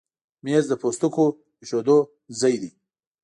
مېز د پوستکو ایښودو ځای دی.